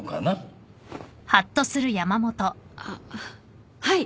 あっはい。